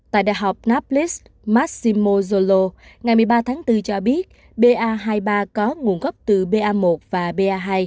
tại đại học naplas massimo zolo ngày một mươi ba tháng bốn cho biết ba hai mươi ba có nguồn gốc từ ba một và ba hai